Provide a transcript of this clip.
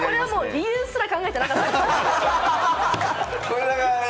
これ理由すら考えてなかった。